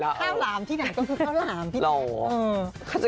ข้าวหล่ามที่อยู่แบบที่หล่าย